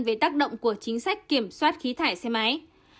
về tác động của chính sách kiểm soát khí thải xe máy